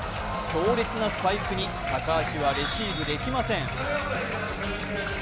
強烈なスパイクに高橋はレシーブできません。